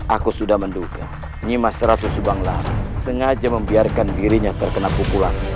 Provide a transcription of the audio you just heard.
aku sudah menduga nyimah seratus ubang larang sengaja membiarkan dirinya terkena pukulan